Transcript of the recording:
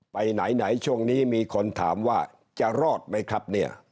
ไปไหนช่วงนี้มีคนถามว่าจะรอดไหมครับเนี่ย